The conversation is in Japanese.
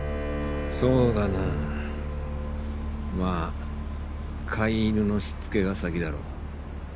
そうだなまあ飼い犬のしつけが先だろう。